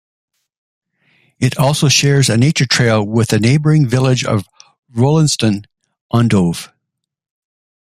It also shares a nature trail with the neighbouring village of Rolleston on Dove.